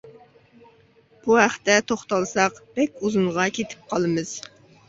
بۇ ھەقتە توختالساق بەك ئۇزۇنغا كېتىپ قالىمىز!